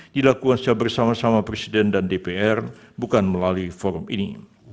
dilakukan secara bersama sama presiden dan dpr bukan melalui forum ini